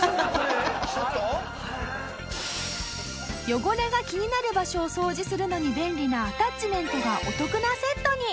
汚れが気になる場所を掃除するのに便利なアタッチメントがお得なセットに！